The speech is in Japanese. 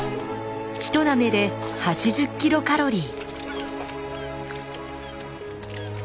ひとなめで８０キロカロリー。